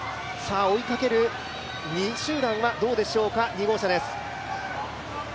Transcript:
追いかける２位集団はどうでしょうか、２号車です。